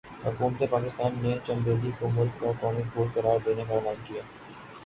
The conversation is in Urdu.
حکومتِ پاکستان نے 'چنبیلی' کو ملک کا قومی پھول قرار دینے کا اعلان کیا۔